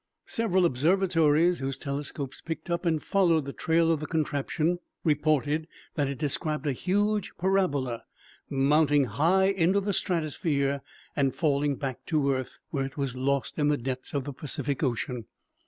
Several observatories whose telescopes picked up and followed the trail of the contraption reported that it described a huge parabola, mounting high into the stratosphere and falling back to earth, where it was lost in the depths of the Pacific Ocean.